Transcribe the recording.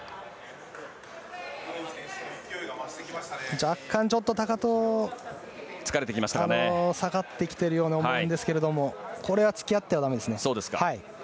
若干、ちょっと高藤下がってきているように思うんですけれどもこれは付き合ってはだめですね。